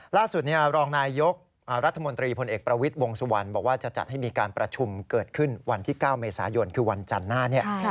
ล่าสุดเนี่ยรองนายยกรัฐมนตรีพลเอกประวิศบงสะวันแบบว่าจะจัดให้มีประชุมเกิดขึ้นวันที่๙เมษายนทั้งวันจันทร์น่าเนี่ย